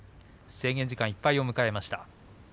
制限時間いっぱいを迎えました。